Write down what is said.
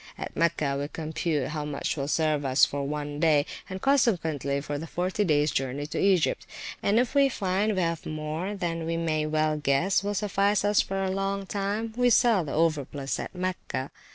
At Mecca we compute how much will serve us for one day, and consequently, for the forty days journey to Egypt, and if we find we have more than we may well guess will suffice us for a long time, we sell the overplus at Mecca.